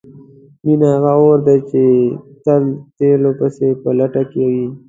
مینه هغه اور دی چې تل د تیلو پسې په لټه کې وي.